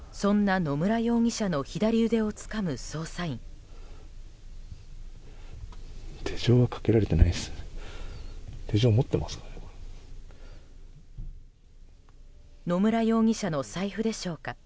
野村容疑者の財布でしょうか。